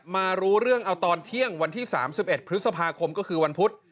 มารู้เรื่องเอาตอนเที่ยงวันที่๓๑พฤษภาคมก็คือวันพุธ